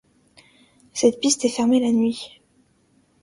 Cette piste est fermée la nuit.